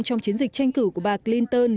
trong chiến dịch tranh cử của bà clinton